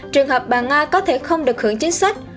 trường hợp bà nga có thể không được hưởng chính sách